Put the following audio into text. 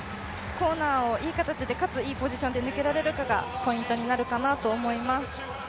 コーナーをいい形で、かついいポジションで抜けられるかがポイントになるかなと思います。